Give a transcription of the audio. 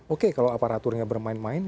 oke kalau aparaturnya bermain main